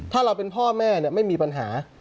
ถ้าเราเป็นพ่อแม่ไม่มีปัญหา